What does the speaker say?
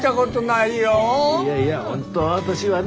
いやいや本当は私はね